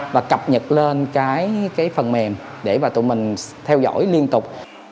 và cập nhật lên cái phần mềm để mà tụi mình theo dõi liên tục